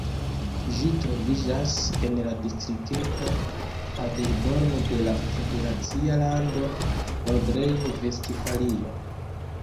Ĝi troviĝas en la distrikto Paderborn de la federacia lando Nordrejn-Vestfalio.